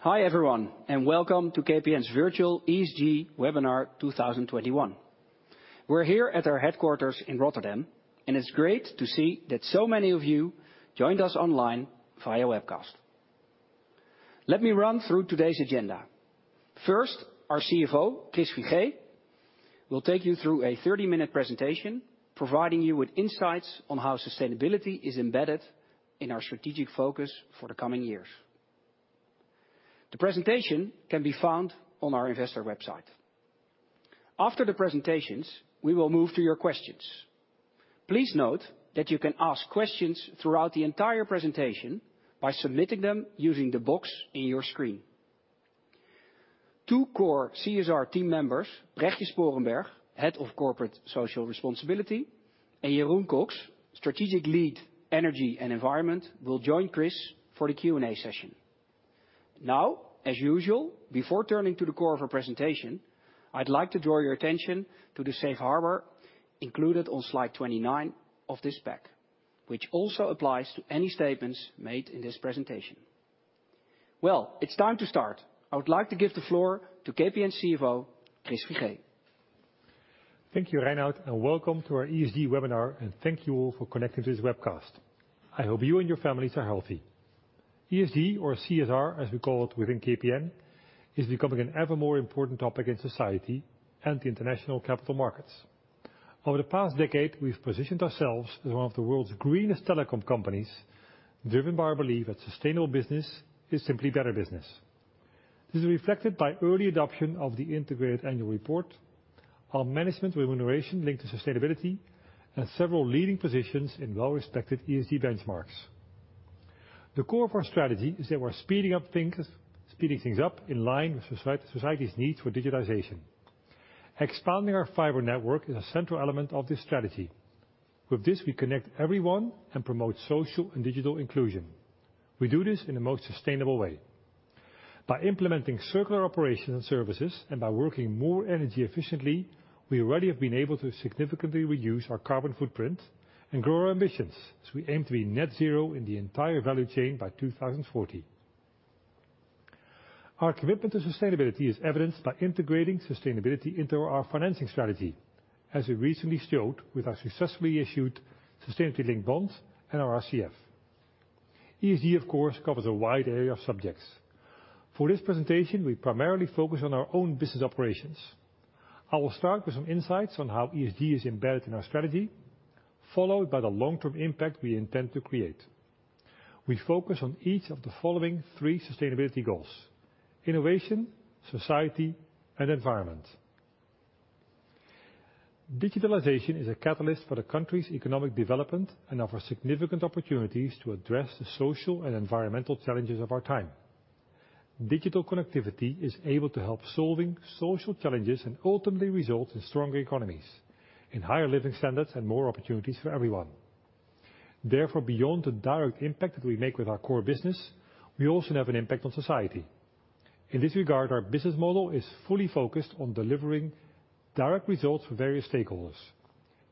Hi, everyone, and welcome to KPN's Virtual ESG Webinar 2021. We're here at our headquarters in Rotterdam, and it's great to see that so many of you joined us online via webcast. Let me run through today's agenda. First, our CFO, Chris Figee, will take you through a 30-minute presentation, providing you with insights on how sustainability is embedded in our strategic focus for the coming years. The presentation can be found on our investor website. After the presentations, we will move to your questions. Please note that you can ask questions throughout the entire presentation by submitting them using the box in your screen. Two core CSR team members, Brechtje Spoorenberg, Head of Corporate Social Responsibility, and Jeroen Cox, Strategic Lead, Energy and Environment, will join Chris for the Q&A session. Now, as usual, before turning to the core of our presentation, I'd like to draw your attention to the safe harbor included on slide 29 of this pack, which also applies to any statements made in this presentation. Well, it's time to start. I would like to give the floor to KPN CFO, Chris Figee. Thank you, Reinout, and welcome to our ESG webinar, and thank you all for connecting to this webcast. I hope you and your families are healthy. ESG, or CSR as we call it within KPN, is becoming an ever more important topic in society and international capital markets. Over the past decade, we've positioned ourselves as one of the world's greenest telecom companies, driven by our belief that sustainable business is simply better business. This is reflected by early adoption of the integrated annual report, our management remuneration linked to sustainability, and several leading positions in well-respected ESG benchmarks. The core of our strategy is that we're speeding things up in line with society's need for digitization. Expanding our fiber network is a central element of this strategy. With this, we connect everyone and promote social and digital inclusion. We do this in the most sustainable way. By implementing circular operations and services, and by working more energy efficiently, we already have been able to significantly reduce our carbon footprint and grow our ambitions as we aim to be net zero in the entire value chain by 2040. Our commitment to sustainability is evidenced by integrating sustainability into our financing strategy, as we recently showed with our successfully issued sustainability linked bonds and our RCF. ESG, of course, covers a wide area of subjects. For this presentation, we primarily focus on our own business operations. I will start with some insights on how ESG is embedded in our strategy, followed by the long-term impact we intend to create. We focus on each of the following three sustainability goals, innovation, society, and environment. Digitalization is a catalyst for the country's economic development and offers significant opportunities to address the social and environmental challenges of our time. Digital connectivity is able to help solving social challenges and ultimately result in stronger economies, and higher living standards, and more opportunities for everyone. Therefore, beyond the direct impact that we make with our core business, we also have an impact on society. In this regard, our business model is fully focused on delivering direct results for various stakeholders.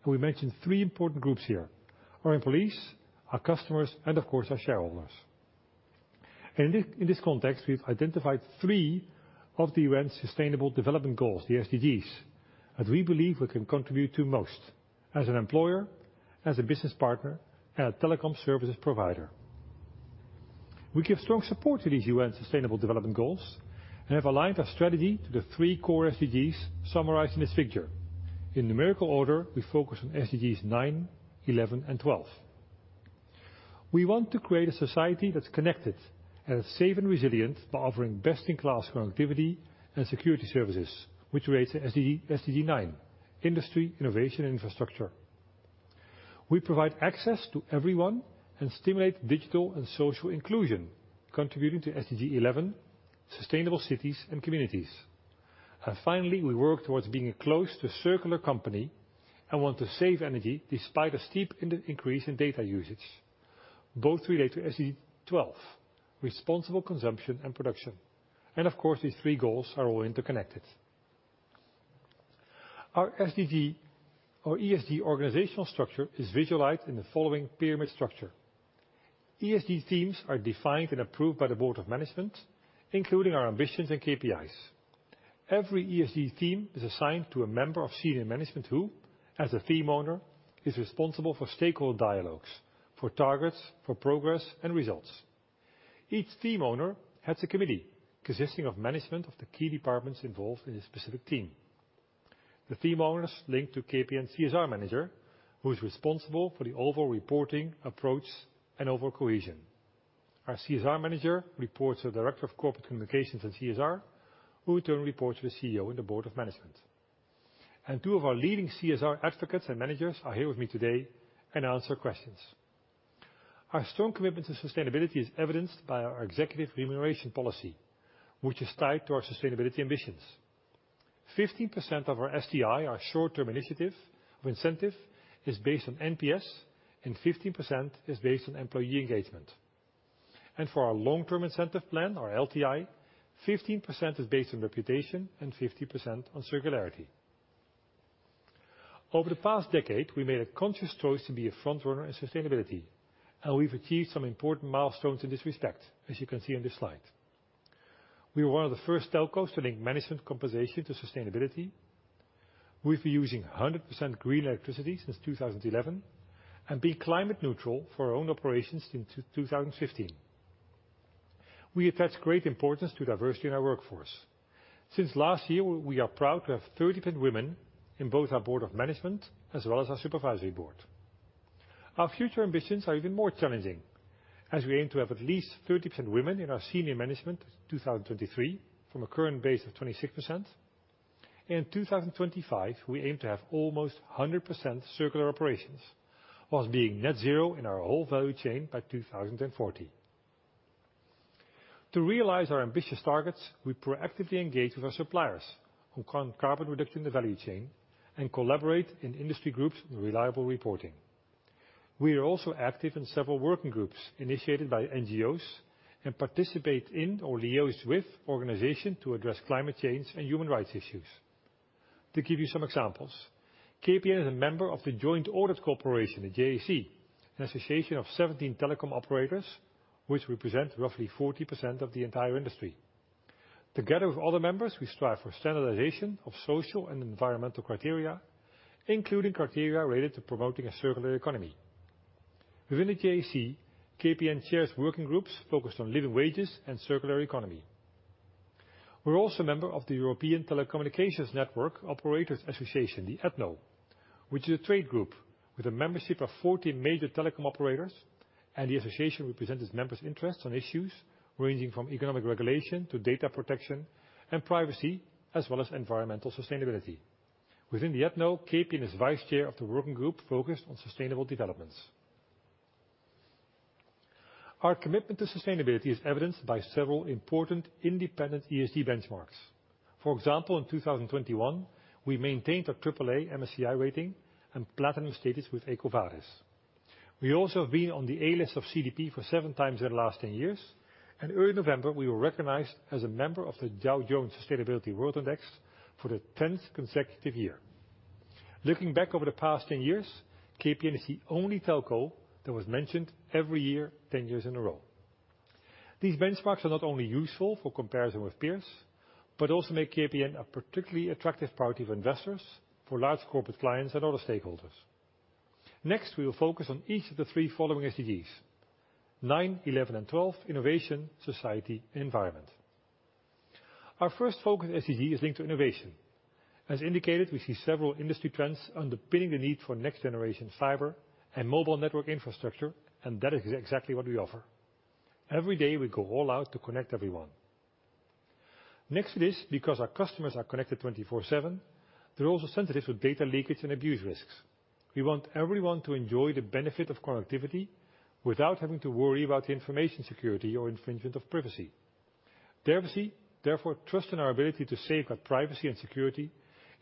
We mentioned three important groups here. Our employees, our customers, and of course, our shareholders. In this context, we've identified three of the UN's Sustainable Development Goals, the SDGs, that we believe we can contribute to most as an employer, as a business partner, and a telecom services provider. We give strong support to these UN Sustainable Development Goals and have aligned our strategy to the three core SDGs summarized in this figure. In numerical order, we focus on SDGs 9, 11, and 12. We want to create a society that's connected and safe and resilient by offering best-in-class connectivity and security services, which relates to SDG 9, industry, innovation, and infrastructure. We provide access to everyone and stimulate digital and social inclusion, contributing to SDG 11, sustainable cities and communities. Finally, we work towards being a close to circular company and want to save energy despite a steep increase in data usage. Both relate to SDG 12, responsible consumption and production. Of course, these three goals are all interconnected. Our SDG or ESG organizational structure is visualized in the following pyramid structure. ESG teams are defined and approved by the board of management, including our ambitions and KPIs. Every ESG team is assigned to a member of senior management who, as a team owner, is responsible for stakeholder dialogues, for targets, for progress, and results. Each team owner heads a committee consisting of management of the key departments involved in a specific team. The team owners link to KPN's CSR manager, who is responsible for the overall reporting approach and overall cohesion. Our CSR manager reports to the Director of Corporate Communications and CSR, who in turn reports to the CEO and the Board of Management. Two of our leading CSR advocates and managers are here with me today and answer questions. Our strong commitment to sustainability is evidenced by our executive remuneration policy, which is tied to our sustainability ambitions. 15% of our STI, our short-term initiative or incentive, is based on NPS, and 15% is based on employee engagement. For our long-term incentive plan, our LTI, 15% is based on reputation and 50% on circularity. Over the past decade, we made a conscious choice to be a front runner in sustainability, and we've achieved some important milestones in this respect, as you can see on this slide. We are one of the first telcos to link management compensation to sustainability. We've been using 100% green electricity since 2011, and being climate neutral for our own operations since 2015. We attach great importance to diversity in our workforce. Since last year, we are proud to have 30% women in both our board of management as well as our supervisory board. Our future ambitions are even more challenging as we aim to have at least 30% women in our senior management 2023 from a current base of 26%. In 2025, we aim to have almost 100% circular operations, while being net zero in our whole value chain by 2040. To realize our ambitious targets, we proactively engage with our suppliers on carbon reduction in the value chain and collaborate in industry groups for reliable reporting. We are also active in several working groups initiated by NGOs, and participate in or liaise with organizations to address climate change and human rights issues. To give you some examples, KPN is a member of the Joint Audit Cooperation, the JAC, an association of 17 telecom operators which represent roughly 40% of the entire industry. Together with other members, we strive for standardization of social and environmental criteria, including criteria related to promoting a circular economy. Within the JAC, KPN chairs working groups focused on living wages and circular economy. We're also a member of the European Telecommunications Network Operators' Association, the ETNO, which is a trade group with a membership of 14 major telecom operators, and the association represents members' interests on issues ranging from economic regulation to data protection and privacy, as well as environmental sustainability. Within the ETNO, KPN is vice chair of the working group focused on sustainable developments. Our commitment to sustainability is evidenced by several important independent ESG benchmarks. For example, in 2021, we maintained our AAA MSCI rating and platinum status with EcoVadis. We also have been on the A List of CDP for seven times in the last ten years. Early November, we were recognized as a member of the Dow Jones Sustainability World Index for the tenth consecutive year. Looking back over the past 10 years, KPN is the only telco that was mentioned every year, 10 years in a row. These benchmarks are not only useful for comparison with peers, but also make KPN a particularly attractive priority for investors, for large corporate clients, and other stakeholders. Next, we will focus on each of the three following SDGs. 9, 11, and 12. Innovation, society, and environment. Our first focus SDG is linked to innovation. As indicated, we see several industry trends underpinning the need for next generation fiber and mobile network infrastructure, and that is exactly what we offer. Every day, we go all out to connect everyone. Next to this, because our customers are connected 24/7, they're also sensitive to data leakage and abuse risks. We want everyone to enjoy the benefit of connectivity without having to worry about the information security or infringement of privacy. Therefore, trust in our ability to safeguard privacy and security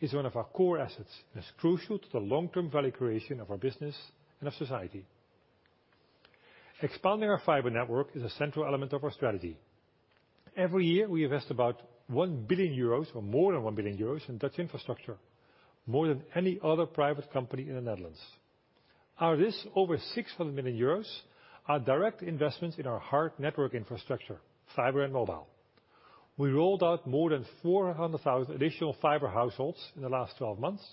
is one of our core assets, and is crucial to the long-term value creation of our business and of society. Expanding our fiber network is a central element of our strategy. Every year, we invest about 1 billion euros, or more than 1 billion euros, in Dutch infrastructure, more than any other private company in the Netherlands. Out of this, over 600 million euros are direct investments in our hard network infrastructure, fiber and mobile. We rolled out more than 400,000 additional fiber households in the last 12 months,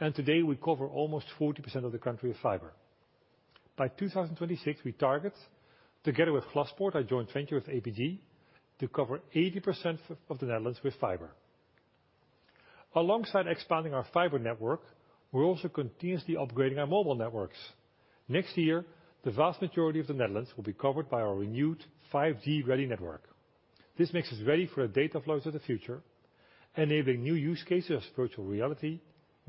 and today we cover almost 40% of the country with fiber. By 2026, we target together with Glaspoort, our joint venture with APG, to cover 80% of the Netherlands with fiber. Alongside expanding our fiber network, we're also continuously upgrading our mobile networks. Next year, the vast majority of the Netherlands will be covered by our renewed 5G ready network. This makes us ready for a data flow to the future, enabling new use cases, virtual reality,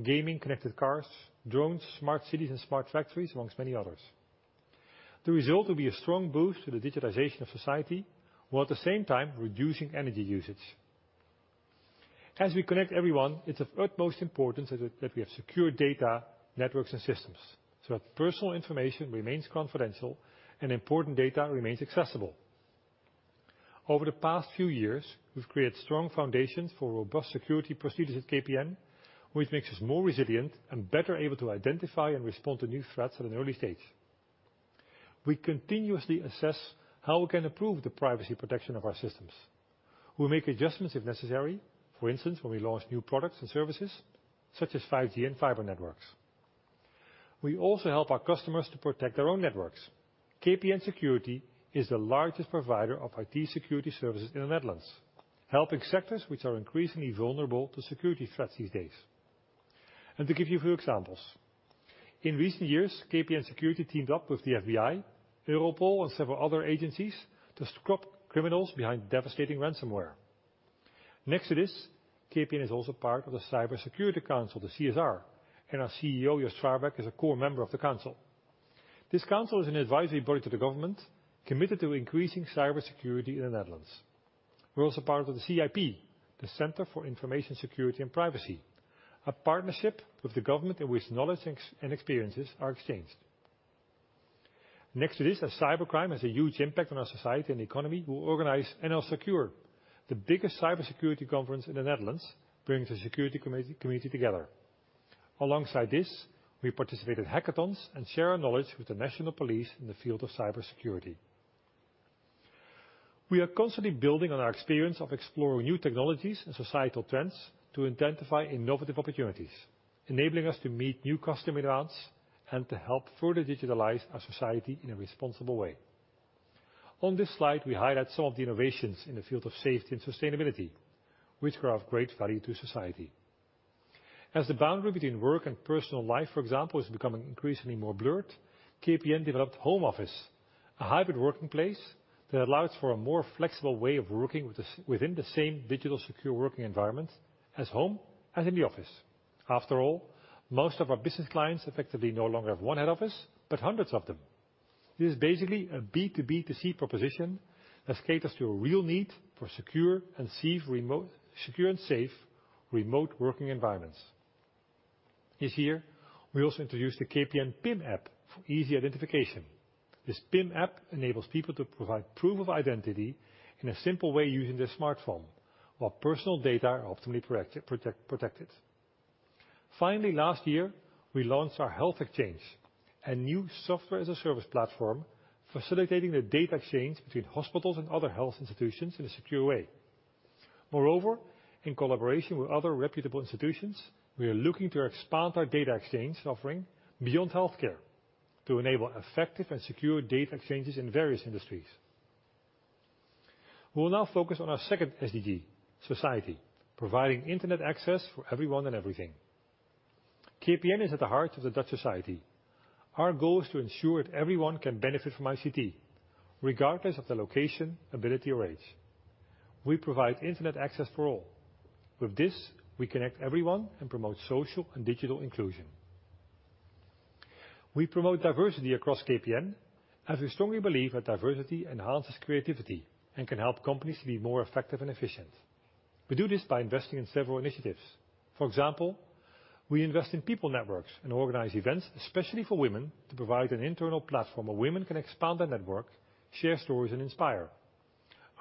gaming, connected cars, drones, smart cities, and smart factories, among many others. The result will be a strong boost to the digitization of society, while at the same time reducing energy usage. As we connect everyone, it's of utmost importance that we have secure data networks and systems, so that personal information remains confidential and important data remains accessible. Over the past few years, we've created strong foundations for robust security procedures at KPN, which makes us more resilient and better able to identify and respond to new threats at an early stage. We continuously assess how we can improve the privacy protection of our systems. We make adjustments if necessary, for instance, when we launch new products and services such as 5G and fiber networks. We also help our customers to protect their own networks. KPN Security is the largest provider of IT security services in the Netherlands, helping sectors which are increasingly vulnerable to security threats these days. To give you a few examples, in recent years, KPN Security teamed up with the FBI, Europol, and several other agencies to stop criminals behind devastating ransomware. KPN is also part of the Cyber Security Council, the CSR, and our CEO, Joost Farwerck, is a core member of the council. This council is an advisory body to the government, committed to increasing cybersecurity in the Netherlands. We're also part of the CIP, the Centre for Information Security and Privacy Protection, a partnership with the government in which knowledge exchange and experiences are exchanged. As cybercrime has a huge impact on our society and economy, we organize NL Secure, the biggest cybersecurity conference in the Netherlands, bringing the security community together. We participate in hackathons and share our knowledge with the national police in the field of cybersecurity. We are constantly building on our experience of exploring new technologies and societal trends to identify innovative opportunities, enabling us to meet new customer demands and to help further digitalize our society in a responsible way. On this slide, we highlight some of the innovations in the field of safety and sustainability, which can have great value to society. As the boundary between work and personal life, for example, is becoming increasingly more blurred, KPN developed Home Office, a hybrid working place that allows for a more flexible way of working within the same digital secure working environment as home as in the office. After all, most of our business clients effectively no longer have one head office, but hundreds of them. This is basically a B2B2C proposition that caters to a real need for secure and safe remote. secure and safe remote working environments. This year, we also introduced the KPN PIM app for easy identification. This PIM app enables people to provide proof of identity in a simple way using their smartphone while personal data are optimally protected. Finally, last year, we launched our Health Exchange, a new software-as-a-service platform facilitating the data exchange between hospitals and other health institutions in a secure way. Moreover, in collaboration with other reputable institutions, we are looking to expand our data exchange offering beyond healthcare to enable effective and secure data exchanges in various industries. We'll now focus on our second SDG, society, providing Internet access for everyone and everything. KPN is at the heart of the Dutch society. Our goal is to ensure that everyone can benefit from ICT regardless of their location, ability, or age. We provide Internet access for all. With this, we connect everyone and promote social and digital inclusion. We promote diversity across KPN, and we strongly believe that diversity enhances creativity and can help companies to be more effective and efficient. We do this by investing in several initiatives. For example, we invest in people networks and organize events, especially for women, to provide an internal platform where women can expand their network, share stories, and inspire.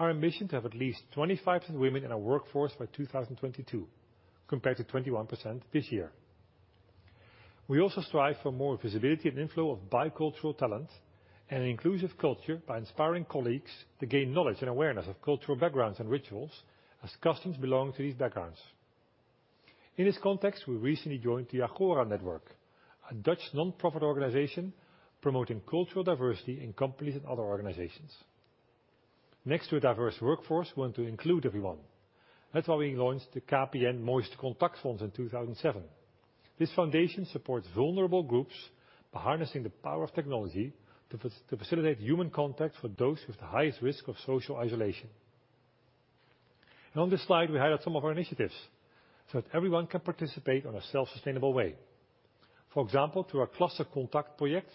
Our ambition is to have at least 25% women in our workforce by 2022 compared to 21% this year. We also strive for more visibility and inflow of bicultural talent and an inclusive culture by inspiring colleagues to gain knowledge and awareness of cultural backgrounds and rituals as customs belong to these backgrounds. In this context, we recently joined the Agora Network, a Dutch nonprofit organization promoting cultural diversity in companies and other organizations. Next to a diverse workforce, we want to include everyone. That's why we launched the KPN Mooiste Contact Fonds in 2007. This foundation supports vulnerable groups by harnessing the power of technology to facilitate human contact for those with the highest risk of social isolation. On this slide, we highlight some of our initiatives, so that everyone can participate in a self-sustainable way. For example, through our KlasseContact project,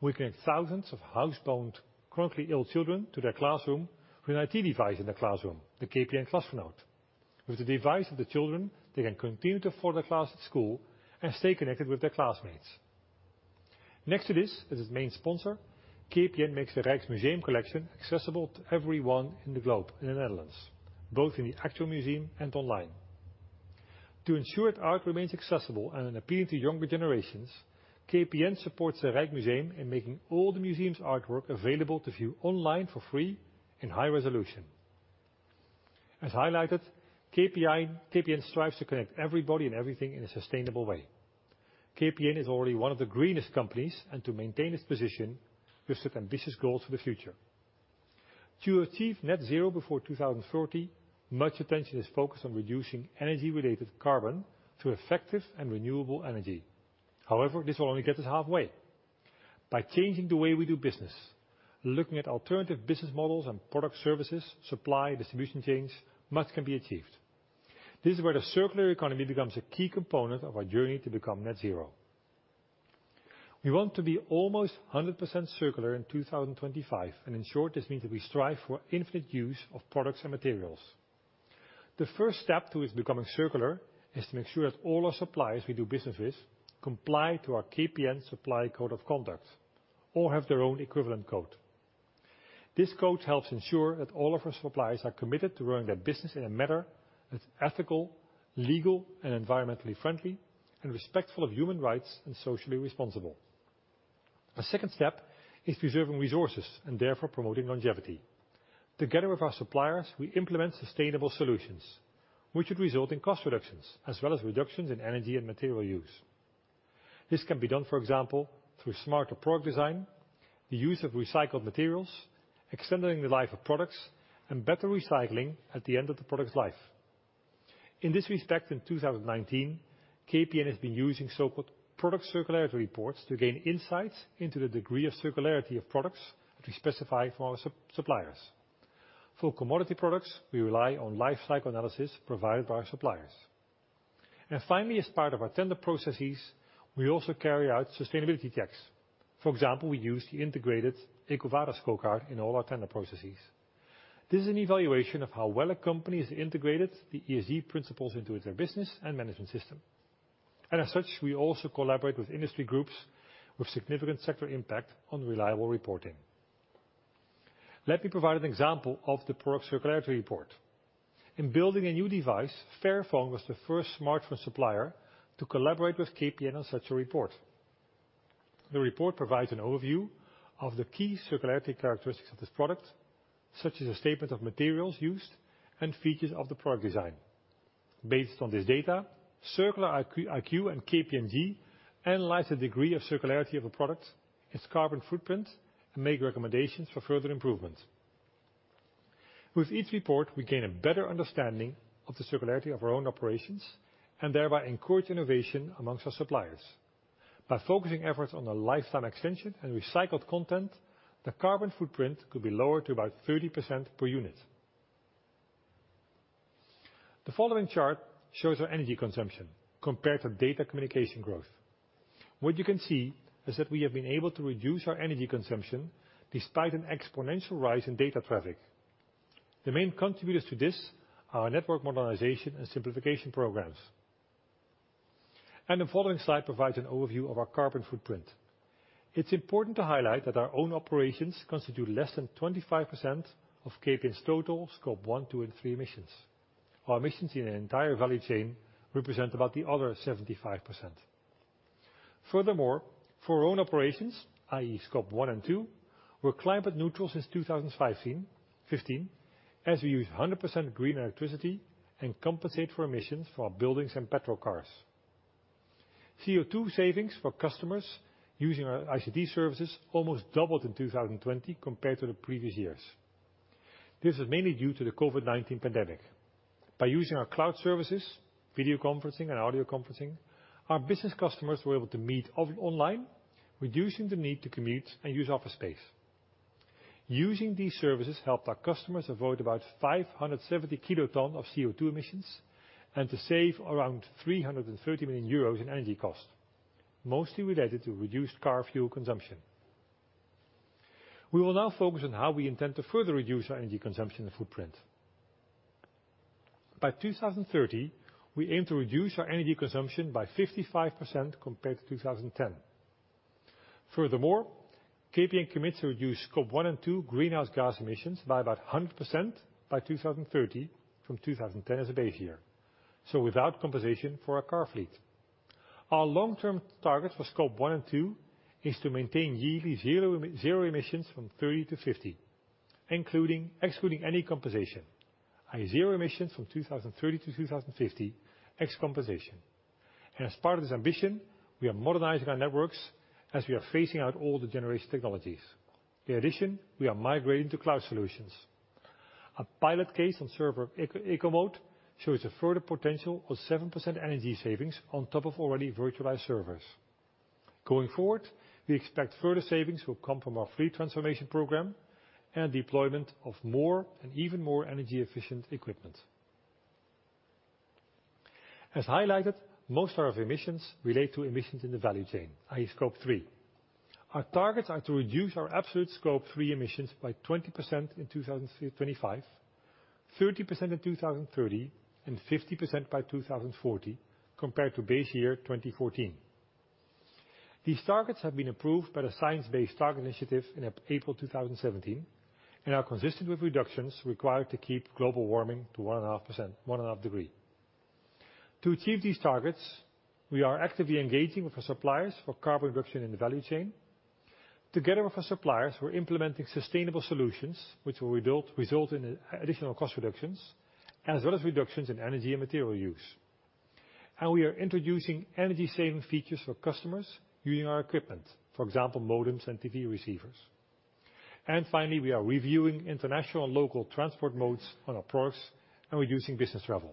we connect thousands of housebound, chronically ill children to their classroom with an IT device in their classroom, the KPN Klasgenoot. With the device of the children, they can continue to follow their class at school and stay connected with their classmates. Next to this, as its main sponsor, KPN makes the Rijksmuseum collection accessible to everyone globally, in the Netherlands, both in the actual museum and online. To ensure that art remains accessible and appealing to younger generations, KPN supports the Rijksmuseum in making all the museum's artwork available to view online for free in high resolution. As highlighted, KPN strives to connect everybody and everything in a sustainable way. KPN is already one of the greenest companies, and to maintain its position, we've set ambitious goals for the future. To achieve net zero before 2030, much attention is focused on reducing energy-related carbon through effective and renewable energy. However, this will only get us halfway. By changing the way we do business, looking at alternative business models and product services, supply, distribution chains, much can be achieved. This is where the circular economy becomes a key component of our journey to become net zero. We want to be almost 100% circular in 2025, and in short, this means that we strive for infinite use of products and materials. The first step towards becoming circular is to make sure that all our suppliers we do business with comply to our KPN Supplier Code of Conduct or have their own equivalent code. This code helps ensure that all of our suppliers are committed to running their business in a manner that's ethical, legal, and environmentally friendly, and respectful of human rights and socially responsible. A second step is preserving resources and therefore promoting longevity. Together with our suppliers, we implement sustainable solutions, which would result in cost reductions as well as reductions in energy and material use. This can be done, for example, through smarter product design, the use of recycled materials, extending the life of products, and better recycling at the end of the product's life. In this respect, in 2019, KPN has been using so-called Product Circularity Reports to gain insights into the degree of circularity of products that we specify from our suppliers. For commodity products, we rely on life cycle analysis provided by our suppliers. Finally, as part of our tender processes, we also carry out sustainability checks. For example, we use the integrated EcoVadis scorecard in all our tender processes. This is an evaluation of how well a company has integrated the ESG principles into their business and management system. As such, we also collaborate with industry groups with significant sector impact on reliable reporting. Let me provide an example of the Product Circularity Report. In building a new device, Fairphone was the first smartphone supplier to collaborate with KPN on such a report. The report provides an overview of the key circularity characteristics of this product, such as a statement of materials used, and features of the product design. Based on this data, Circular IQ and KPMG analyze the degree of circularity of a product, its carbon footprint, and make recommendations for further improvement. With each report, we gain a better understanding of the circularity of our own operations, and thereby encourage innovation among our suppliers. By focusing efforts on the lifetime extension and recycled content, the carbon footprint could be lowered to about 30% per unit. The following chart shows our energy consumption compared to data communication growth. What you can see is that we have been able to reduce our energy consumption despite an exponential rise in data traffic. The main contributors to this are network modernization and simplification programs. The following slide provides an overview of our carbon footprint. It's important to highlight that our own operations constitute less than 25% of KPN's total Scope 1, 2, and 3 emissions. Our emissions in an entire value chain represent about the other 75%. Furthermore, for our own operations, i.e., Scope 1 and 2, we're climate neutral since 2015, as we use 100% green electricity and compensate for emissions from our buildings and petrol cars. CO2 savings for customers using our ICT services almost doubled in 2020 compared to the previous years. This is mainly due to the COVID-19 pandemic. By using our cloud services, video conferencing, and audio conferencing, our business customers were able to meet online, reducing the need to commute and use office space. Using these services helped our customers avoid about 570 kilotons of CO2 emissions, and to save around 330 million euros in energy costs, mostly related to reduced car fuel consumption. We will now focus on how we intend to further reduce our energy consumption and footprint. By 2030, we aim to reduce our energy consumption by 55% compared to 2010. Furthermore, KPN commits to reduce Scope 1 and 2 greenhouse gas emissions by about 100% by 2030 from 2010 as a base year, so without compensation for our car fleet. Our long-term target for Scope 1 and 2 is to maintain yearly zero emissions from 30 to 50, excluding any compensation. i.e., zero emissions from 2030 to 2050 excluding compensation. As part of this ambition, we are modernizing our networks as we are phasing out older generation technologies. In addition, we are migrating to cloud solutions. A pilot case on server eco mode shows a further potential of 7% energy savings on top of already virtualized servers. Going forward, we expect further savings will come from our fleet transformation program and deployment of more energy efficient equipment. As highlighted, most of our emissions relate to the value chain, i.e., Scope 3. Our targets are to reduce our absolute Scope 3 emissions by 20% in 2025, 30% in 2030, and 50% by 2040 compared to base year 2014. These targets have been approved by the Science Based Targets initiative in April 2017, and are consistent with reductions required to keep global warming to 1.5 degrees. To achieve these targets, we are actively engaging with our suppliers for carbon reduction in the value chain. Together with our suppliers, we're implementing sustainable solutions which will result in additional cost reductions, as well as reductions in energy and material use. We are introducing energy saving features for customers using our equipment, for example, modems and TV receivers. Finally, we are reviewing international and local transport modes on our products and reducing business travel.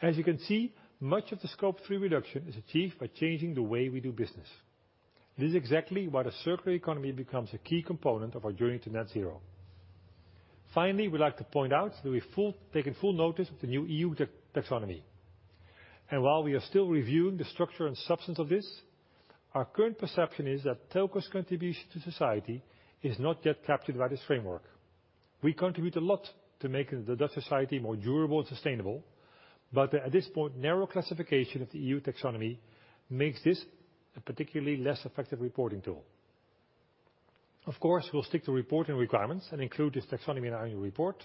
As you can see, much of the Scope 3 reduction is achieved by changing the way we do business. This is exactly why the circular economy becomes a key component of our journey to net zero. Finally, we'd like to point out that we've taken full notice of the new EU taxonomy. While we are still reviewing the structure and substance of this, our current perception is that telco's contribution to society is not yet captured by this framework. We contribute a lot to making the Dutch society more durable and sustainable, but at this point, narrow classification of the EU taxonomy makes this a particularly less effective reporting tool. Of course, we'll stick to reporting requirements and include this taxonomy in our annual report,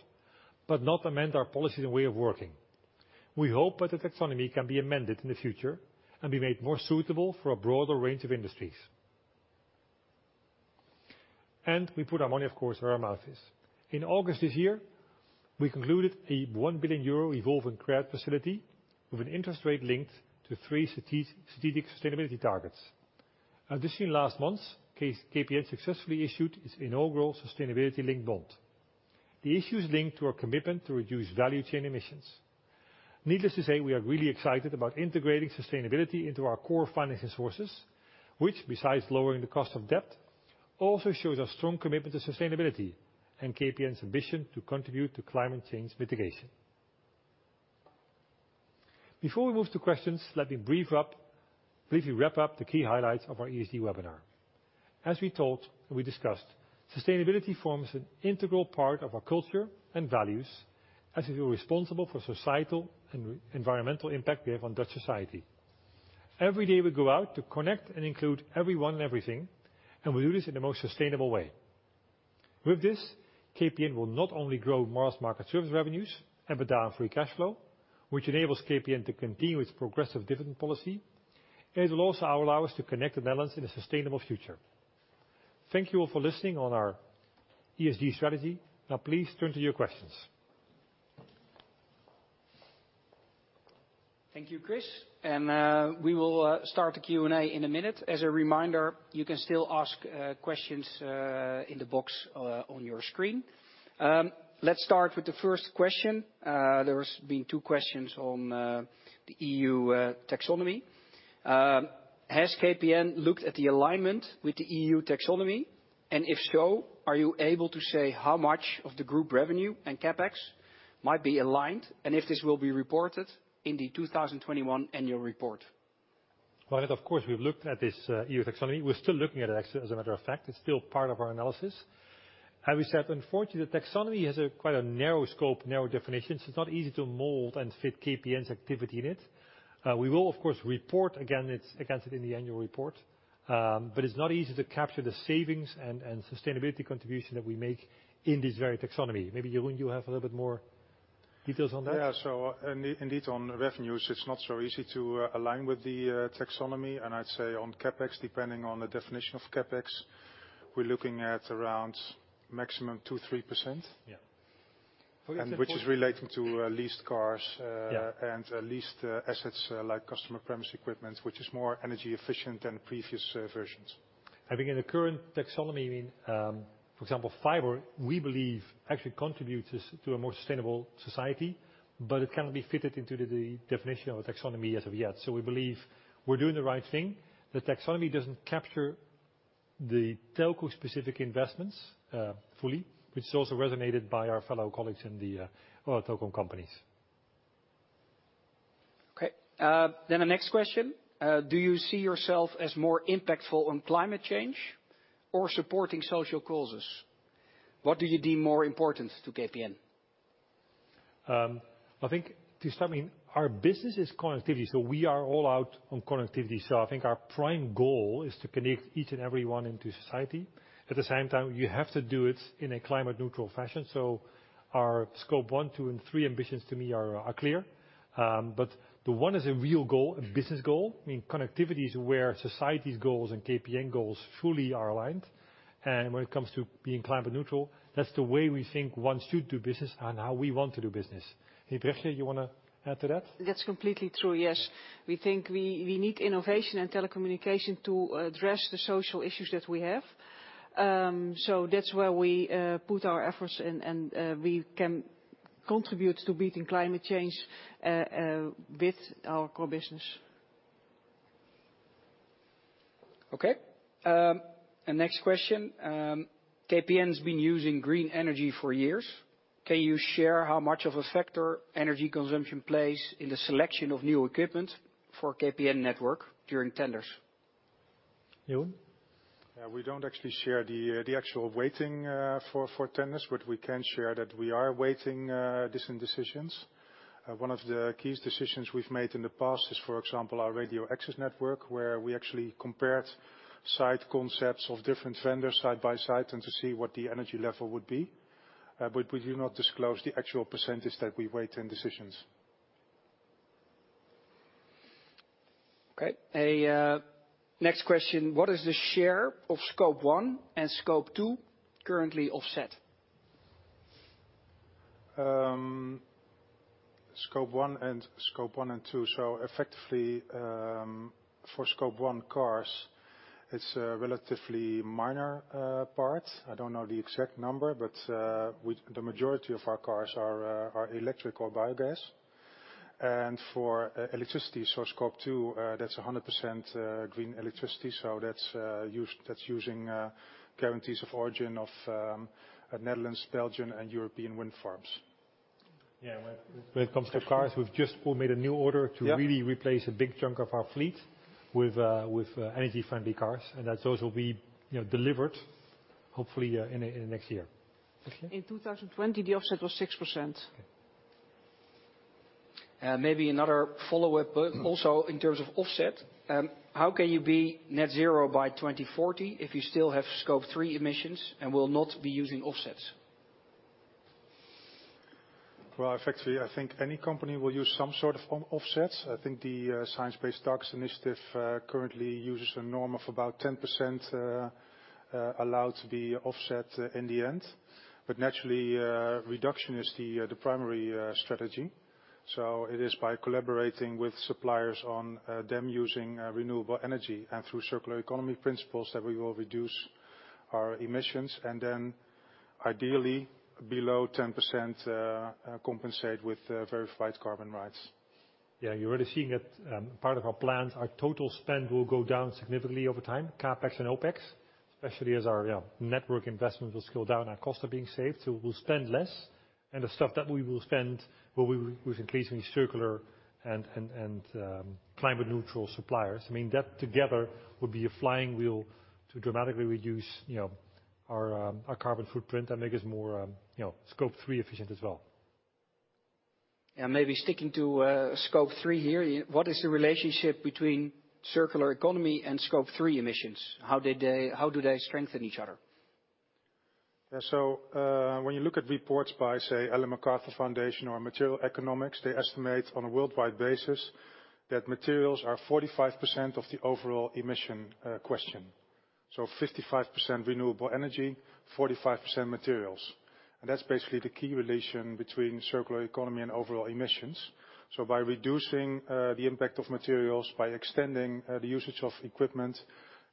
but not amend our policies and way of working. We hope that the taxonomy can be amended in the future and be made more suitable for a broader range of industries. We put our money, of course, where our mouth is. In August this year, we concluded a 1 billion euro revolving credit facility with an interest rate linked to three strategic sustainability targets. This year, last month, KPN successfully issued its inaugural sustainability linked bond. The issue is linked to our commitment to reduce value chain emissions. Needless to say, we are really excited about integrating sustainability into our core financing sources, which besides lowering the cost of debt, also shows our strong commitment to sustainability and KPN's ambition to contribute to climate change mitigation. Before we move to questions, let me briefly wrap up the key highlights of our ESG webinar. As we told and we discussed, sustainability forms an integral part of our culture and values as we are responsible for societal and environmental impact we have on Dutch society. Every day we go out to connect and include everyone and everything, and we do this in the most sustainable way. With this, KPN will not only grow mass market service revenues and deliver free cash flow, which enables KPN to continue its progressive dividend policy. It will also allow us to connect the Netherlands in a sustainable future. Thank you all for listening on our ESG strategy. Now please turn to your questions. Thank you, Chris. We will start the Q&A in a minute. As a reminder, you can still ask questions in the box on your screen. Let's start with the first question. There's been two questions on the EU taxonomy. Has KPN looked at the alignment with the EU taxonomy? And if so, are you able to say how much of the group revenue and CapEx might be aligned? And if this will be reported in the 2021 annual report. Well, of course, we've looked at this EU Taxonomy. We're still looking at it, actually, as a matter of fact, it's still part of our analysis. As we said, unfortunately, the Taxonomy has a quite narrow scope, narrow definition, so it's not easy to mold and fit KPN's activity in it. We will, of course, report it in the annual report, but it's not easy to capture the savings and sustainability contribution that we make in this very Taxonomy. Maybe, Jeroen, you have a little bit more details on that. Yeah. Indeed, on revenues, it's not so easy to align with the taxonomy. I'd say on CapEx, depending on the definition of CapEx, we're looking at around maximum 2%-3%. Yeah. which is relating to leased cars Yeah and leased assets like customer premises equipment, which is more energy efficient than previous versions. I think in the current Taxonomy, I mean, for example, fiber, we believe actually contributes to a more sustainable society, but it can be fitted into the definition of a Taxonomy as of yet. We believe we're doing the right thing. The Taxonomy doesn't capture the telco-specific investments fully, which is also resonated by our fellow colleagues in the other telecom companies. Okay. The next question. Do you see yourself as more impactful on climate change or supporting social causes? What do you deem more important to KPN? I think to start, I mean, our business is connectivity, so we are all out on connectivity. I think our prime goal is to connect each and everyone into society. At the same time, you have to do it in a climate neutral fashion. Our Scope 1, 2, and 3 ambitions to me are clear. The one is a real goal, a business goal. I mean, connectivity is where society's goals and KPN goals fully are aligned. When it comes to being climate neutral, that's the way we think one should do business and how we want to do business. Hey, Brechtje, you wanna add to that? That's completely true. Yes. We think we need innovation and telecommunication to address the social issues that we have. That's where we put our efforts and we can contribute to beating climate change with our core business. Okay. Next question. KPN has been using green energy for years. Can you share how much of a factor energy consumption plays in the selection of new equipment for KPN network during tenders? Jeroen. Yeah. We don't actually share the actual weighting for tenders, but we can share that we are weighing different decisions. One of the key decisions we've made in the past is, for example, our radio access network, where we actually compared site concepts of different vendors side by side to see what the energy level would be. We do not disclose the actual percentage that we weigh in decisions. Okay. Next question. What is the share of Scope 1 and Scope 2 currently offset? Scope 1 and Scope 2. Effectively, for Scope 1, cars, it's a relatively minor part. I don't know the exact number, but the majority of our cars are electric or biogas. For electricity, Scope 2, that's 100% green electricity. That's using guarantees of origin of Netherlands, Belgium, and European wind farms. Yeah. When it comes to cars, we've just made a new order to really replace a big chunk of our fleet with energy-friendly cars. Those will be, you know, delivered, hopefully, in next year. In 2020, the offset was 6%. Maybe another follow-up, but also in terms of offset, how can you be net zero by 2040 if you still have Scope 3 emissions and will not be using offsets? Well, effectively, I think any company will use some sort of offsets. I think the Science Based Targets initiative currently uses a norm of about 10% allowed to be offset in the end. Naturally, reduction is the primary strategy. It is by collaborating with suppliers on them using renewable energy and through circular economy principles that we will reduce our emissions and then ideally below 10%, compensate with verified carbon rights. Yeah. You're already seeing that, part of our plans. Our total spend will go down significantly over time, CapEx and OpEx. Especially as our network investment will scale down, our costs are being saved. We'll spend less, and the stuff that we will spend will be with increasingly circular and climate neutral suppliers. I mean, that together would be a flywheel to dramatically reduce, you know, our carbon footprint and make us more, you know, Scope 3 efficient as well. Yeah. Maybe sticking to Scope 3 here. What is the relationship between circular economy and Scope 3 emissions? How do they strengthen each other? Yeah. When you look at reports by, say, Ellen MacArthur Foundation or Material Economics, they estimate on a worldwide basis that materials are 45% of the overall emission question. 55% renewable energy, 45% materials. That's basically the key relation between circular economy and overall emissions. By reducing the impact of materials, by extending the usage of equipment,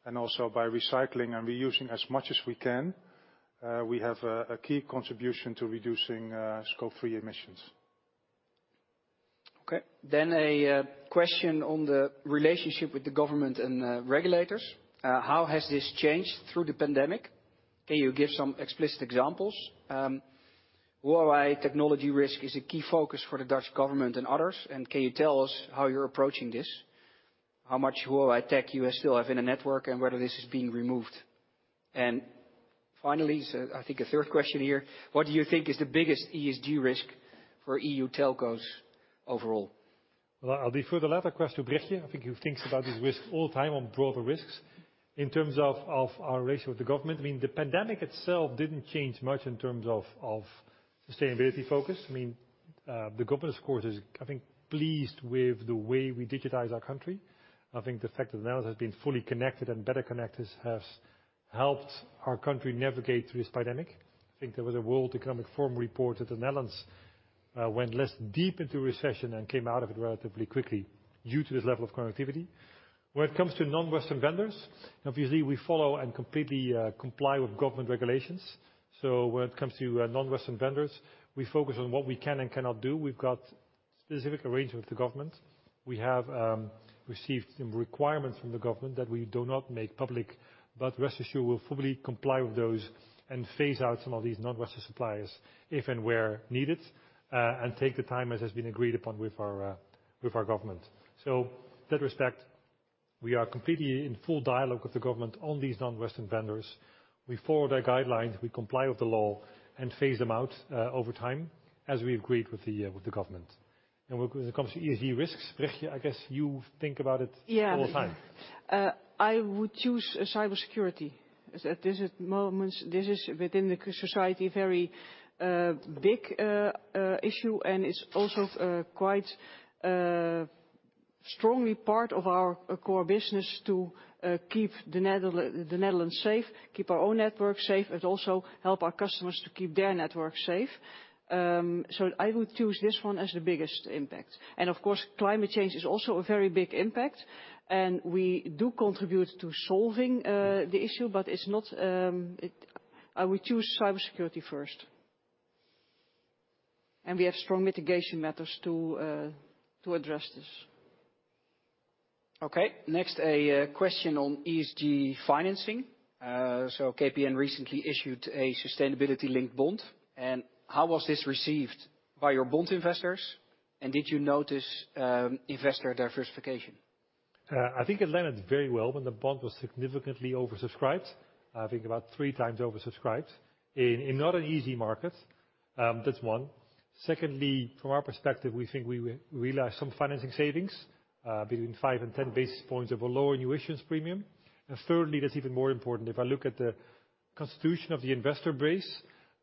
and also by recycling and reusing as much as we can, we have a key contribution to reducing Scope 3 emissions. Okay. A question on the relationship with the government and regulators. How has this changed through the pandemic? Can you give some explicit examples? Huawei technology risk is a key focus for the Dutch government and others. Can you tell us how you're approaching this? How much Huawei tech you still have in the network and whether this is being removed? Finally, I think a third question here. What do you think is the biggest ESG risk for EU telcos overall? Well, I'll defer the latter question to Brechtje. I think he thinks about this risk all the time on broader risks. In terms of our relation with the government, I mean, the pandemic itself didn't change much in terms of sustainability focus. I mean, the government, of course, is, I think, pleased with the way we digitize our country. I think the fact that the Netherlands has been fully connected and better connected has helped our country navigate through this pandemic. I think there was a World Economic Forum report that the Netherlands went less deep into recession and came out of it relatively quickly due to this level of connectivity. When it comes to non-Western vendors, obviously, we follow and completely comply with government regulations. When it comes to non-Western vendors, we focus on what we can and cannot do. We've got specific arrangement with the government. We have received some requirements from the government that we do not make public, but rest assured, we'll fully comply with those and phase out some of these non-Western suppliers if and where needed, and take the time as has been agreed upon with our government. In that respect, we are completely in full dialogue with the government on these non-Western vendors. We follow their guidelines, we comply with the law and phase them out over time, as we agreed with the government. When it comes to ESG risks, Brechtje, I guess you think about it all the time. Yeah. I would choose cybersecurity. At this moment, this is within the society, a very big issue. It's also quite strongly part of our core business to keep the Netherlands safe, keep our own network safe, but also help our customers to keep their network safe. I would choose this one as the biggest impact. Of course, climate change is also a very big impact, and we do contribute to solving the issue, but it's not. I would choose cybersecurity first. We have strong mitigation methods to address this. Okay. Next, question on ESG financing. KPN recently issued a sustainability-linked bond, and how was this received by your bond investors, and did you notice investor diversification? I think it landed very well, and the bond was significantly oversubscribed. I think about three times oversubscribed in not an easy market. That's one. Secondly, from our perspective, we think we realized some financing savings, between five and 10 basis points of a lower new issuance premium. Thirdly, that's even more important. If I look at the constitution of the investor base,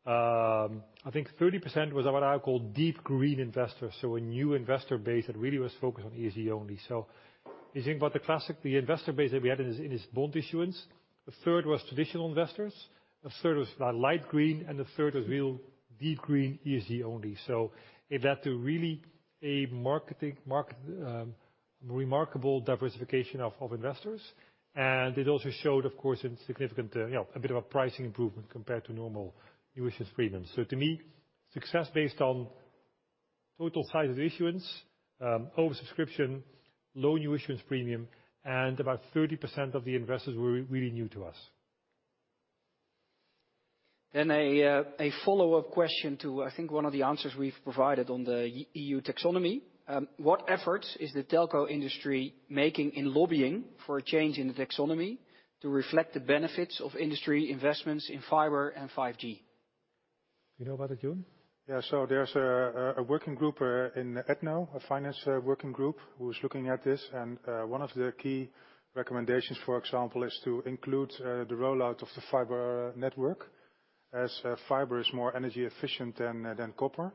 I think 30% was what I call deep green investors. A new investor base that really was focused on ESG only. If you think about the classic, the investor base that we had in this bond issuance, a third was traditional investors, a third was light green, and a third was real deep green ESG only. It led to really a remarkable diversification of investors. It also showed, of course, in a significant bit of a pricing improvement compared to normal new issuance premiums. To me, success based on total size of the issuance, oversubscription, low new issuance premium, and about 30% of the investors were really new to us. A follow-up question to, I think, one of the answers we've provided on the EU taxonomy. What efforts is the telco industry making in lobbying for a change in the taxonomy to reflect the benefits of industry investments in fiber and 5G? You know about it, Jeroen? Yeah. There's a working group in ETNO, a finance working group who is looking at this. One of their key recommendations, for example, is to include the rollout of the fiber network as fiber is more energy efficient than copper.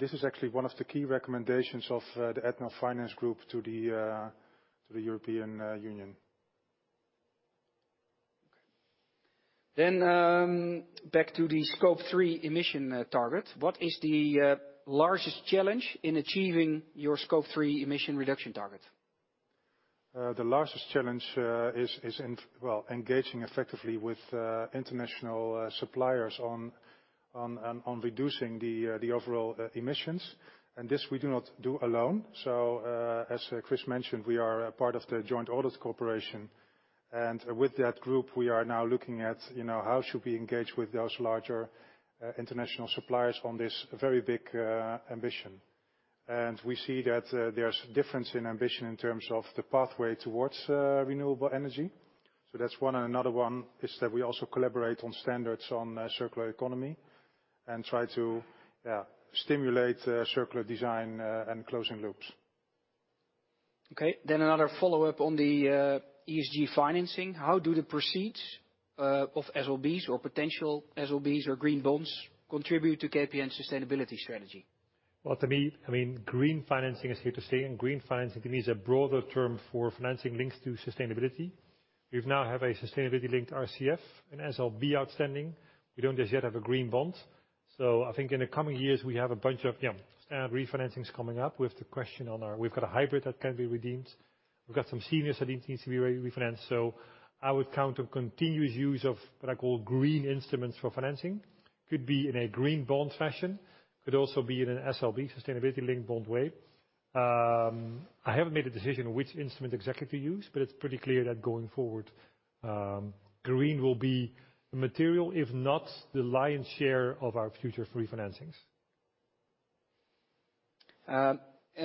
This is actually one of the key recommendations of the ETNO finance group to the European Union. Okay. Back to the Scope 3 emission target. What is the largest challenge in achieving your Scope 3 emission reduction target? The largest challenge is in well, engaging effectively with international suppliers on reducing the overall emissions. This we do not do alone. As Chris mentioned, we are a part of the Joint Audit Cooperation. With that group, we are now looking at, you know, how should we engage with those larger international suppliers on this very big ambition. We see that, there's difference in ambition in terms of the pathway towards renewable energy. That's one. Another one is that we also collaborate on standards on circular economy and try to stimulate circular design and closing loops. Okay. Another follow-up on the ESG financing. How do the proceeds of SLBs or potential SLBs or green bonds contribute to KPN sustainability strategy? Well, to me, I mean, green financing is here to stay, and green financing to me is a broader term for financing links to sustainability. We now have a sustainability-linked RCF and SLB outstanding. We don't as yet have a green bond. I think in the coming years, we have a bunch of standard refinancings coming up. We've got a hybrid that can be redeemed. We've got some seniors that it needs to be refinanced. I would count on continuous use of what I call green instruments for financing. Could be in a green bond fashion. Could also be in an SLB, sustainability-linked bond way. I haven't made a decision which instrument exactly to use, but it's pretty clear that going forward, green will be material, if not the lion's share of our future refinancings.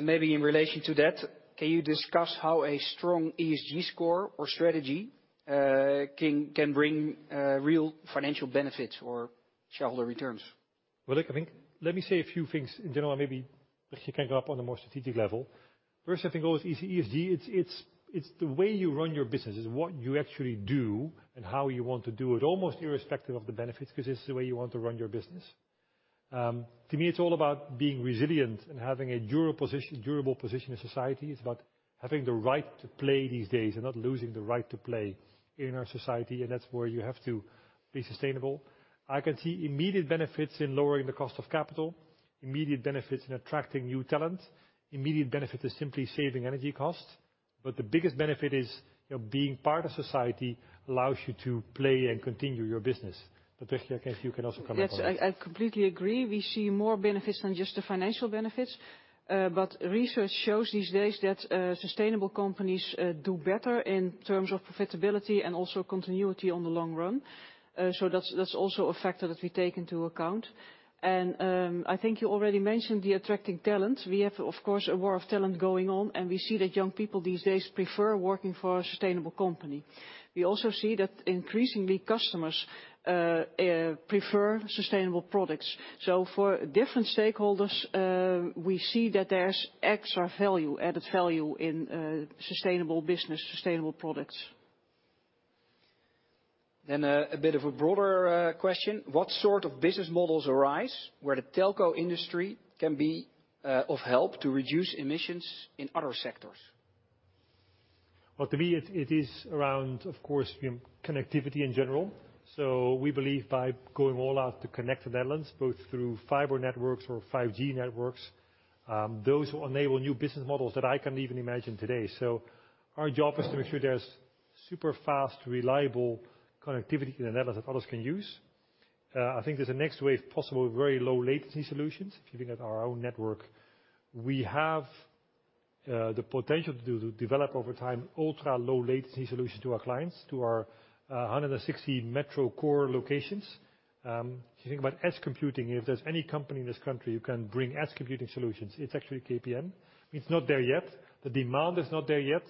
Maybe in relation to that, can you discuss how a strong ESG score or strategy can bring real financial benefits or shareholder returns? Well, look, I think, let me say a few things in general, maybe you can go up on a more strategic level. First, I think always our ESG, it's the way you run your business. It's what you actually do and how you want to do it, almost irrespective of the benefits, because it's the way you want to run your business. To me, it's all about being resilient and having a durable position in society. It's about having the right to play these days and not losing the right to play in our society. That's where you have to be sustainable. I can see immediate benefits in lowering the cost of capital, immediate benefits in attracting new talent, immediate benefit is simply saving energy costs. The biggest benefit is, you know, being part of society allows you to play and continue your business. Brechtje, I guess you can also comment on it. Yes, I completely agree. We see more benefits than just the financial benefits. Research shows these days that sustainable companies do better in terms of profitability and also continuity in the long run. That's also a factor that we take into account. I think you already mentioned attracting talent. We have, of course, a war of talent going on, and we see that young people these days prefer working for a sustainable company. We also see that increasingly customers prefer sustainable products. For different stakeholders, we see that there's extra value, added value in sustainable business, sustainable products. A bit of a broader question. What sort of business models arise where the telco industry can be of help to reduce emissions in other sectors? To me it is around, of course, connectivity in general. We believe by going all out to connect the Netherlands, both through fiber networks or 5G networks, those will enable new business models that I can't even imagine today. Our job is to make sure there's super fast, reliable connectivity to the Netherlands that others can use. I think there's a next wave possible with very low latency solutions. If you think about our own network, we have the potential to develop over time ultra-low latency solution to our clients, to our 160 Metro Core locations. If you think about edge computing, if there's any company in this country who can bring edge computing solutions, it's actually KPN. It's not there yet. The demand is not there yet.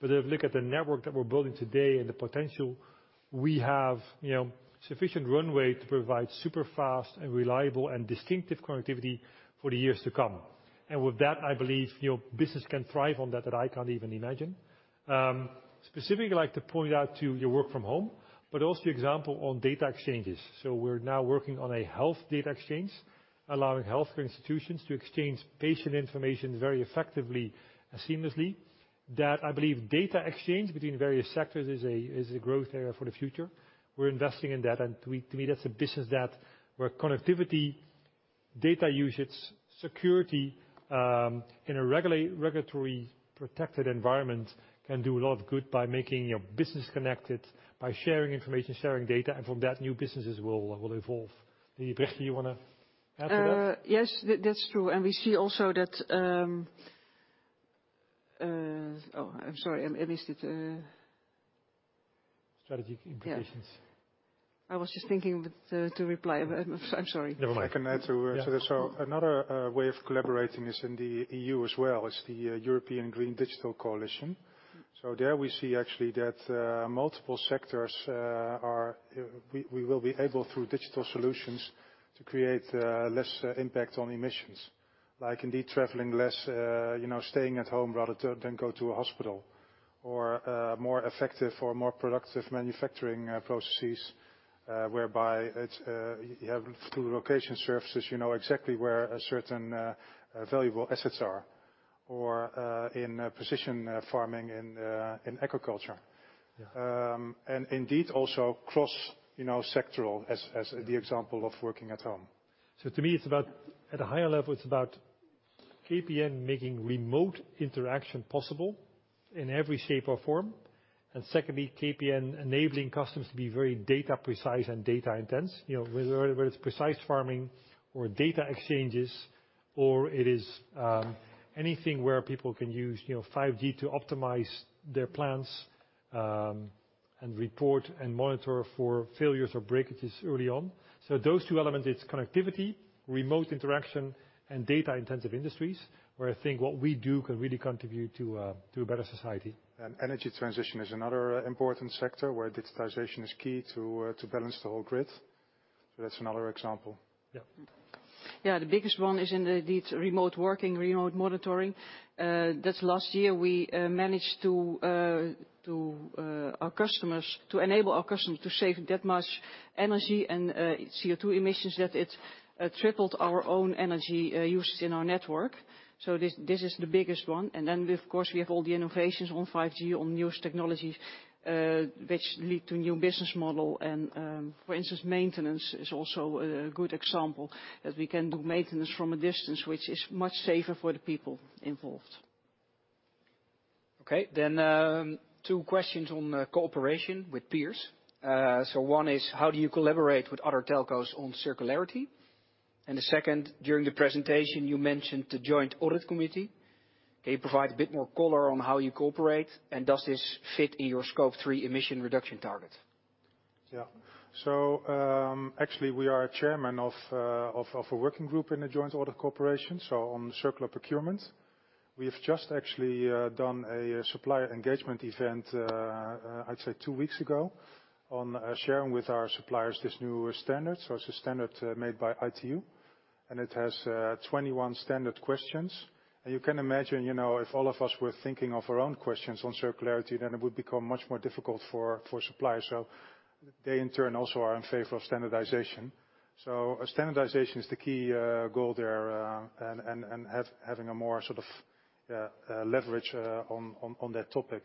If you look at the network that we're building today and the potential we have, you know, sufficient runway to provide super fast and reliable and distinctive connectivity for the years to come. With that, I believe, you know, business can thrive on that I can't even imagine. Specifically, I'd like to point out our work from home, but also example on data exchanges. We're now working on a Health Exchange, allowing healthcare institutions to exchange patient information very effectively and seamlessly. I believe data exchange between various sectors is a growth area for the future. We're investing in that, and to me that's a business where connectivity, data usage, security, in a regulatory protected environment can do a lot of good by making your business connected, by sharing information, sharing data, and from that, new businesses will evolve. Brechtje, you wanna add to that? Yes. That's true. We see also that. I'm sorry. Is it Strategic implications. Yeah. I was just thinking what to reply, but I'm sorry. Never mind. I can add to this. Another way of collaborating is in the EU as well. It's the European Green Digital Coalition. There we see actually that multiple sectors are. We will be able through digital solutions to create less impact on emissions. Like indeed traveling less, you know, staying at home rather than go to a hospital or more effective or more productive manufacturing processes, whereby it's you have through location services, you know exactly where a certain valuable assets are or in precision farming in agriculture. Indeed also cross sectoral as the example of working at home. To me it's about, at a higher level, it's about KPN making remote interaction possible in every shape or form. Secondly, KPN enabling customers to be very data precise and data intense. You know, whether it's precise farming or data exchanges, or anything where people can use 5G to optimize their plans and report and monitor for failures or breakages early on. Those two elements, it's connectivity, remote interaction, and data intensive industries, where I think what we do can really contribute to a better society. Energy transition is another important sector where digitization is key to to balance the whole grid. That's another example. Yeah. Yeah. The biggest one is in these remote working, remote monitoring. This last year, we managed to enable our customers to save that much energy and CO2 emissions, that it tripled our own energy usage in our network. This is the biggest one. Then of course, we have all the innovations on 5G, on newest technologies, which lead to new business model and, for instance, maintenance is also a good example, as we can do maintenance from a distance which is much safer for the people involved. Okay. Two questions on cooperation with peers. One is: how do you collaborate with other telcos on circularity? The second, during the presentation, you mentioned the Joint Audit Cooperation. Can you provide a bit more color on how you cooperate, and does this fit in your Scope 3 emission reduction target? Yeah. Actually we are chairman of a working group in a Joint Audit Cooperation on circular procurement. We have just actually done a supplier engagement event, I'd say two weeks ago, on sharing with our suppliers this new standard. It's a standard made by ITU, and it has 21 standard questions. You can imagine, you know, if all of us were thinking of our own questions on circularity, then it would become much more difficult for suppliers. They in turn also are in favor of standardization. Standardization is the key goal there, and having a more sort of leverage on that topic.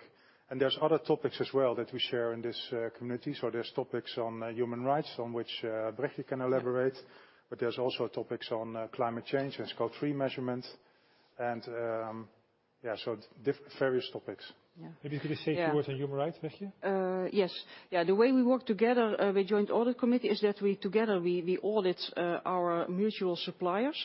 There's other topics as well that we share in this community. There's topics on human rights, on which Brechtje can elaborate, but there's also topics on climate change and Scope 3 measurements and various topics. Yeah. Maybe you could say a few words on human rights, Brechtje. Yes. Yeah. The way we work together with Joint Audit Cooperation is that we together audit our mutual suppliers.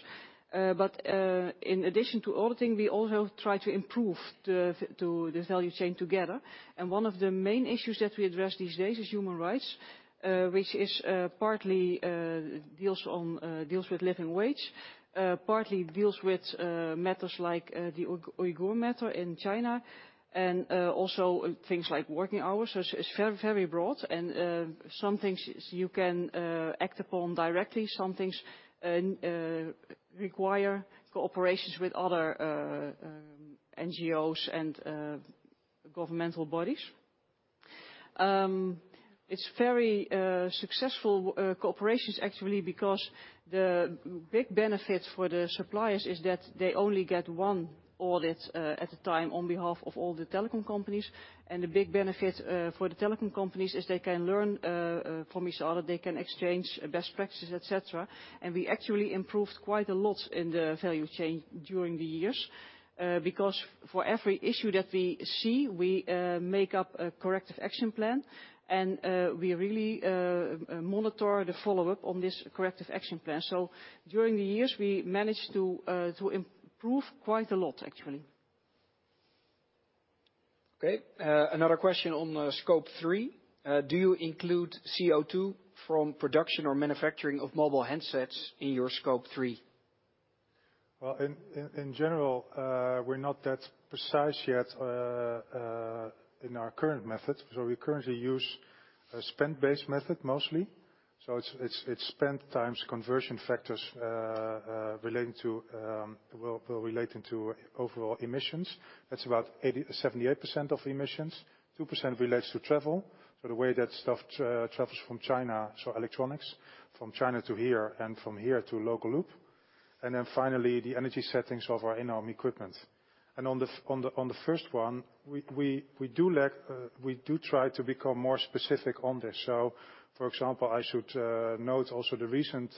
In addition to auditing, we also try to improve the value chain together. One of the main issues that we address these days is human rights, which partly deals with living wage, partly deals with matters like the Uyghur matter in China, and also things like working hours. It's very broad and some things you can act upon directly. Some things require cooperation with other NGOs and governmental bodies. It's very successful cooperations actually because the big benefit for the suppliers is that they only get one audit at a time on behalf of all the telecom companies. The big benefit for the telecom companies is they can learn from each other, they can exchange best practices, et cetera. We actually improved quite a lot in the value chain during the years because for every issue that we see, we make up a corrective action plan, and we really monitor the follow-up on this corrective action plan. During the years we managed to improve quite a lot actually. Okay. Another question on Scope 3. Do you include CO2 from production or manufacturing of mobile handsets in your Scope 3? Well, in general, we're not that precise yet in our current method. We currently use a spend-based method mostly. It's spend times conversion factors relating to overall emissions. That's about 78% of emissions. 2% relates to travel, so the way that stuff travels from China, so electronics from China to here and from here to local loop. Then finally, the energy settings of our in-home equipment. On the first one, we do try to become more specific on this. For example, I should note also the recent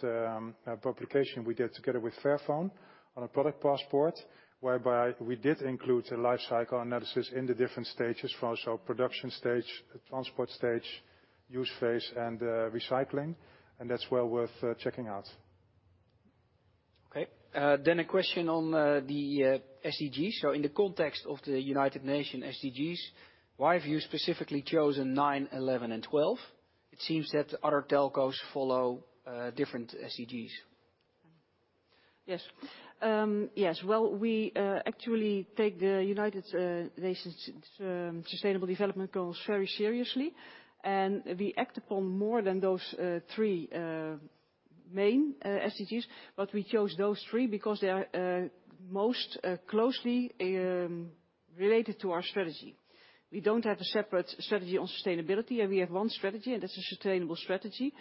publication we did together with Fairphone on a product passport, whereby we did include a life cycle analysis in the different stages for us. Production stage, transport stage, use phase, and recycling, and that's well worth checking out. A question on the SDGs. In the context of the United Nations SDGs, why have you specifically chosen 9, 11, and 12? It seems that other telcos follow different SDGs. Yes. Well, we actually take the United Nations sustainable development goals very seriously, and we act upon more than those three main SDGs. We chose those three because they are most closely related to our strategy. We don't have a separate strategy on sustainability. We have one strategy, and that's a sustainable strategy.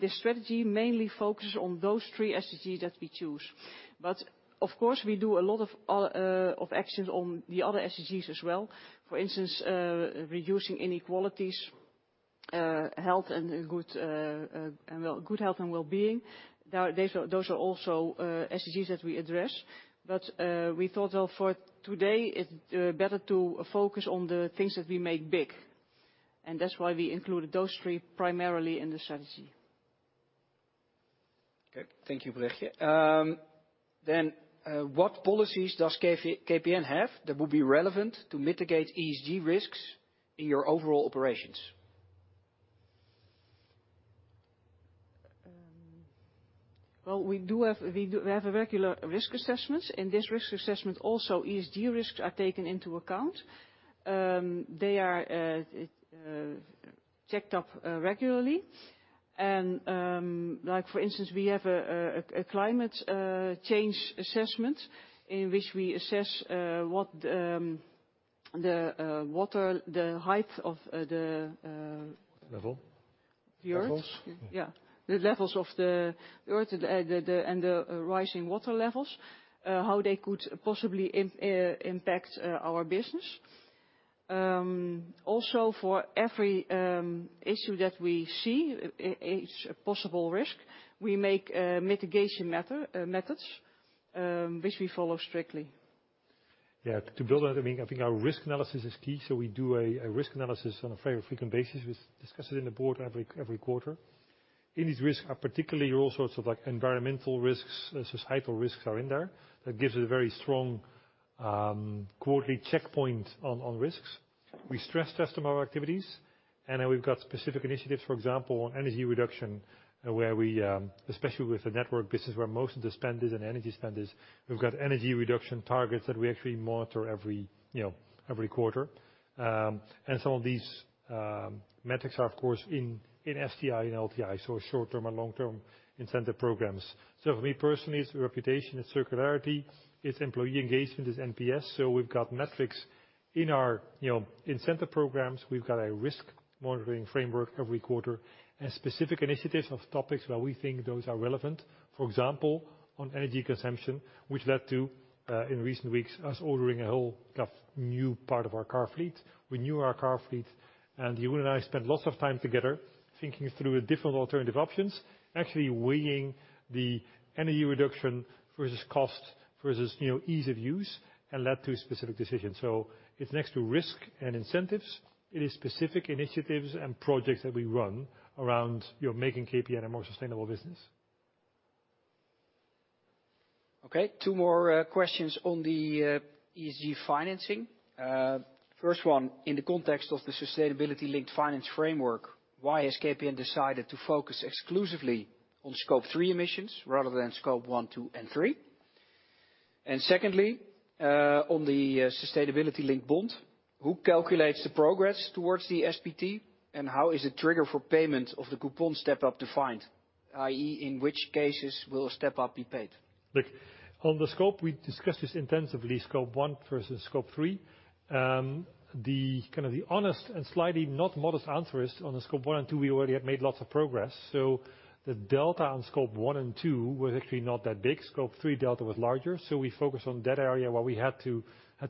This strategy mainly focuses on those three SDGs that we choose. Of course, we do a lot of actions on the other SDGs as well. For instance, reducing inequalities, good health and well-being. Those are also SDGs that we address. We thought that for today it's better to focus on the things that we make big. That's why we included those three primarily in the strategy. Okay, thank you, Brechtje. What policies does KPN have that will be relevant to mitigate ESG risks in your overall operations? Well, we have a regular risk assessments. In this risk assessment also ESG risks are taken into account. They are checked up regularly. Like, for instance, we have a climate change assessment in which we assess what the water, the height of the. Level. The earth. Levels. Yeah. The sea levels and the rising water levels, how they could possibly impact our business. Also, for every issue that we see, each possible risk, we make mitigation methods which we follow strictly. Yeah, to build on it, I mean, I think our risk analysis is key. We do a risk analysis on a very frequent basis. We discuss it in the board every quarter. These risks are particularly all sorts of, like, environmental risks, societal risks are in there. That gives it a very strong quarterly checkpoint on risks. We stress test them our activities, and then we've got specific initiatives, for example, on energy reduction, where we especially with the network business, where most of the spend is in energy we've got energy reduction targets that we actually monitor every, you know, every quarter. And some of these metrics are, of course, in STI and LTI, so short-term and long-term incentive programs. For me personally, it's reputation, it's circularity, it's employee engagement, it's NPS. We've got metrics in our, you know, incentive programs. We've got a risk monitoring framework every quarter and specific initiatives of topics where we think those are relevant. For example, on energy consumption, which led to in recent weeks, us ordering a whole, like, new part of our car fleet. We knew our car fleet, and you and I spent lots of time together thinking through different alternative options, actually weighing the energy reduction versus cost, versus, you know, ease of use, and led to a specific decision. It's next to risk and incentives. It is specific initiatives and projects that we run to make KPN a more sustainable business. Okay. Two more questions on the ESG financing. First one, in the context of the sustainability linked finance framework, why has KPN decided to focus exclusively on Scope 3 emissions rather than Scope 1, 2, and 3? And secondly, on the sustainability linked bond, who calculates the progress towards the SPT and how is the trigger for payment of the coupon step-up defined, i.e., in which cases will a step-up be paid? Look, on the scope, we discussed this intensively, Scope 1 versus Scope 3. The kind of honest and slightly not modest answer is on the Scope 1 and 2, we already have made lots of progress. The delta on Scope 1 and 2 was actually not that big. Scope 3 delta was larger. We focused on that area where we had to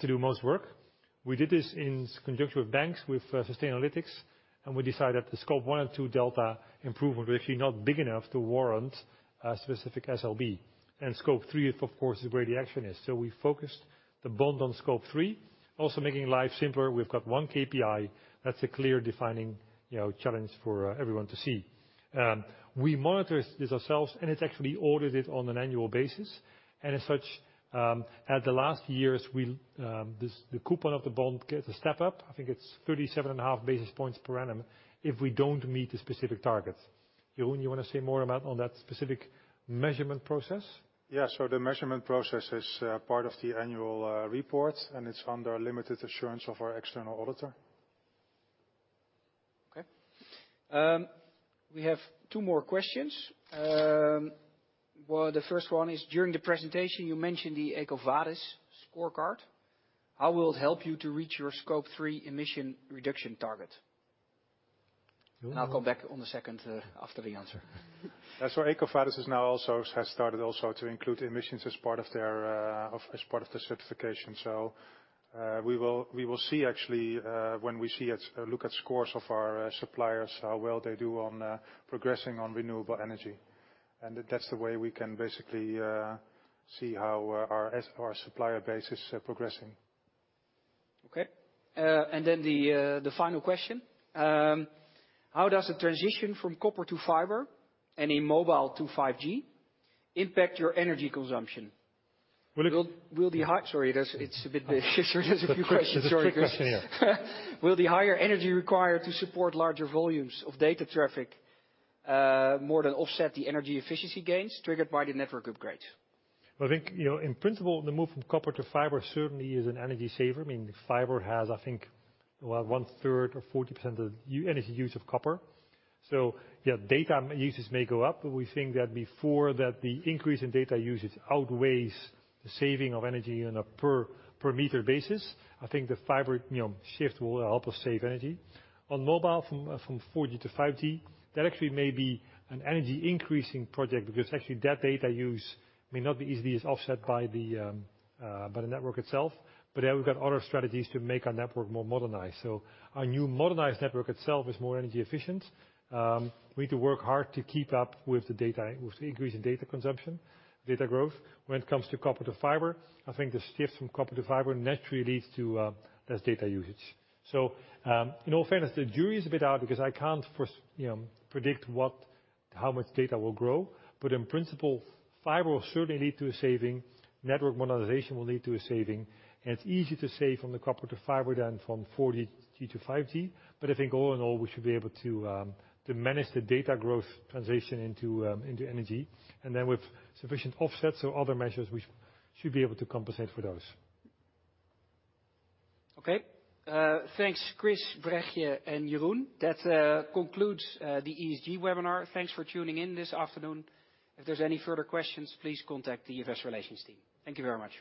do most work. We did this in conjunction with banks, with Sustainalytics, and we decided that the Scope 1 and 2 delta improvement were actually not big enough to warrant a specific SLB. Scope 3, of course, is where the action is. We focused the bond on Scope 3, also making life simpler. We've got one KPI that's a clear defining, you know, challenge for everyone to see. We monitor this ourselves, and it's actually audited on an annual basis. As such, in the last years, the coupon of the bond gets a step up. I think it's 37.5 basis points per annum if we don't meet the specific targets. Jeroen, you wanna say more about that specific measurement process? Yeah. The measurement process is part of the annual report, and it's under a limited assurance of our external auditor. Okay. We have two more questions. Well, the first one is, during the presentation, you mentioned the EcoVadis scorecard. How will it help you to reach your Scope 3 emission reduction target? Ooh. I'll come back on the second after the answer. That's why EcoVadis is now also has started also to include emissions as part of their as part of the certification. We will see actually when we see it, look at scores of our suppliers, how well they do on progressing on renewable energy. That's the way we can basically see how our supplier base is progressing. Okay. The final question. How does the transition from copper to fiber and in mobile to 5G impact your energy consumption? Well- Sorry, it's a bit, there's a few questions. Sorry, Chris. It's a quick question, yeah. Will the higher energy required to support larger volumes of data traffic more than offset the energy efficiency gains triggered by the network upgrades? I think, you know, in principle, the move from copper to fiber certainly is an energy saver. I mean, fiber has, I think, well, one-third or 40% of the energy use of copper. Yeah, data uses may go up. We think that before that the increase in data usage outweighs the saving of energy on a per meter basis. I think the fiber, you know, shift will help us save energy. On mobile from 4G to 5G, that actually may be an energy increasing project because actually that data use may not be easily as offset by the network itself. There we've got other strategies to make our network more modernized. Our new modernized network itself is more energy efficient. We need to work hard to keep up with the data, with the increase in data consumption, data growth. When it comes to copper to fiber, I think the shift from copper to fiber naturally leads to less data usage. In all fairness, the jury is a bit out because I can't foresee, you know, predict what, how much data will grow. In principle, fiber will certainly lead to a saving. Network monetization will lead to a saving. It's easy to save from the copper to fiber than from 4G to 5G. I think all in all, we should be able to manage the data growth transition into energy. Then with sufficient offsets or other measures, we should be able to compensate for those. Okay. Thanks, Chris, Brechtje, and Jeroen. That concludes the ESG webinar. Thanks for tuning in this afternoon. If there's any further questions, please contact the investor relations team. Thank you very much.